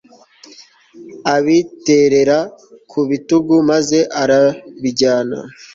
abiterera ku bitugu maze arabijyana